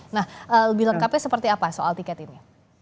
nah lebih lengkapnya seperti apa soal tiket ini